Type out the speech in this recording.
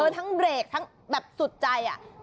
เธอทั้งเบรกทั้งแบบสุดใจอ่ะ